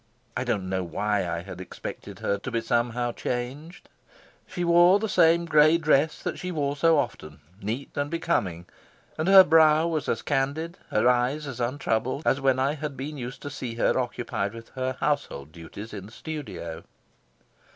I do not know why I had expected her to be somehow changed; she wore the same gray dress that she wore so often, neat and becoming, and her brow was as candid, her eyes as untroubled, as when I had been used to see her occupied with her household duties in the studio.